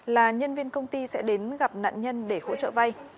là nhân viên công ty sẽ đến gặp nạn nhân để hỗ trợ vay